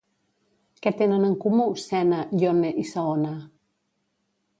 Què tenen en comú Sena, Yonne i Saona?